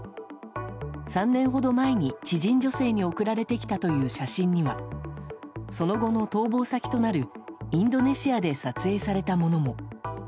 ３年ほど前に、知人女性に送られてきたという写真にはその後の逃亡先となるインドネシアで撮影されたものも。